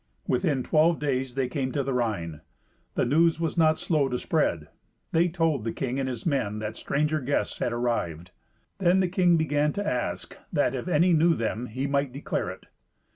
Within twelve days they came to the Rhine. The news was not slow to spread. They told the king and his men that stranger guests had arrived. Then the king began to ask that, if any knew them, he might declare it.